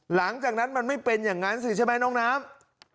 หลังจากนั้นมันไม่เป็นอย่างนั้นสิใช่ไหมน้องน้ำ